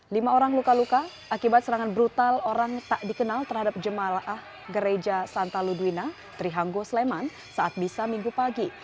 lima orang luka luka akibat serangan brutal orang tak dikenal terhadap jemaah gereja santa ludwina trihanggo sleman saat bisa minggu pagi